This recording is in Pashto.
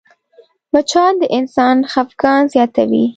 مچان د انسان خفګان زیاتوي